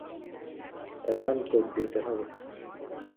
Alan, code দিতে হবে।